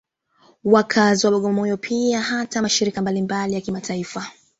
Wakazi wa Bagamoyo pia hata mashirika mbalimbali ya kimataifa